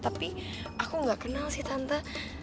tapi aku gak kenal sih tante